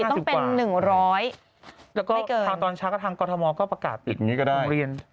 ไม่เกินแล้วก็พาตอนช้ากระทางก็อทมก็ประกาศอันนี้ก็ได้ปกติปิดโรงเรียน